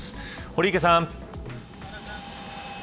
堀池さん。